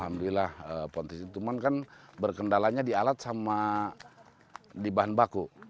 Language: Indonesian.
alhamdulillah potensi itu kan berkendalanya di alat sama di bahan baku